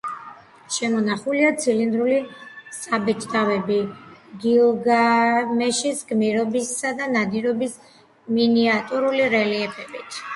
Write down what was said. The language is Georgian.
შემონახულია ცილინდრული საბეჭდავები გილგამეშის გმირობისა და ნადირობის მინიატიურული რელიეფებით.